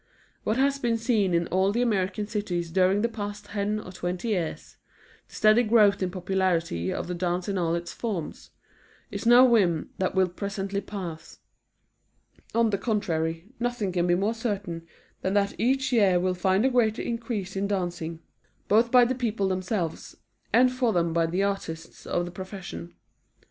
What has been seen in all the American cities during the past ten or twenty years the steady growth in popularity of the dance in all its forms is no whim that will presently pass. On the contrary, nothing can be more certain than that each year will find a greater increase in dancing, both by the people themselves, and for them by the artists of the profession.